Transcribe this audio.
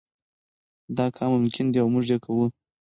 دا کار ممکن دی او موږ یې کوو.